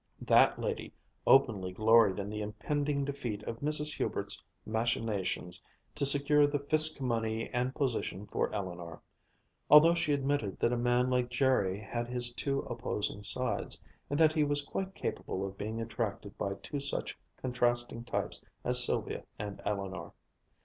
That lady openly gloried in the impending defeat of Mrs. Hubert's machinations to secure the Fiske money and position for Eleanor; although she admitted that a man like Jerry had his two opposing sides, and that he was quite capable of being attracted by two such contrasting types as Sylvia and Eleanor.